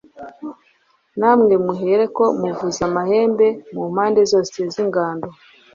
namwe muhereko muvuza amahembe mu mpande zose z'ingando